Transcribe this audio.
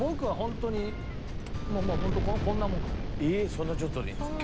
そんなちょっとでいいんですか？